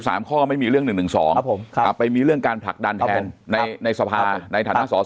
ใน๒๓ข้อไม่มีเรื่อง๑๑๒ไปมีเรื่องการผลักดันแทนในสภาในฐานทพสศ